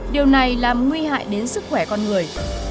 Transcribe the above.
điều này làm nguy hại đến sức khỏe con người